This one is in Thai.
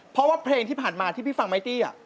เพราะว่าเพลงที่ผ่านมาที่พี่ฟังไมตี้